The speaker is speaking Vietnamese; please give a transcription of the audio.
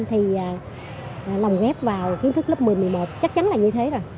thì lòng ghép vào kiến thức lớp một mươi một chắc chắn là như thế rồi